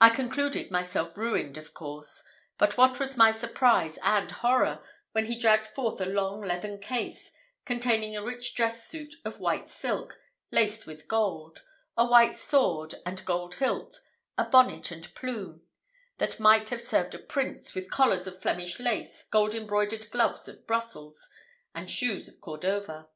I concluded myself ruined, of course; but what was my surprise and horror when he dragged forth a long leathern case, containing a rich dress suit of white silk, laced with gold; a white sword and gold hilt, a bonnet and plume, that might have served a prince, with collars of Flemish lace, gold embroidered gloves of Brussels, and shoes of Cordova.